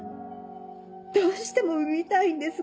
どうしても産みたいんです